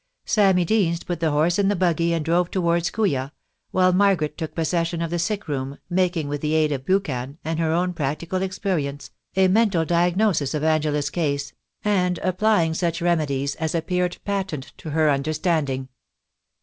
Sammy Deans put the horse in the buggy and drove towards JCooya, while Margaret took possession of the sick room, making, with the aid of * Buchan ' and her own practical experience, a mental diagnosis of Angela's case, and applying such remedies as appeared patent to her understanding.